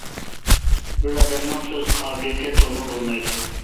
بىر ئادەمنىڭ سۆز قابىلىيىتى تۇغما بولمايدۇ.